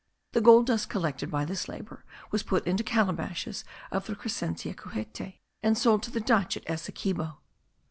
The gold dust collected by this labour was put into calabashes of the Crescentia cujete and sold to the Dutch at Essequibo.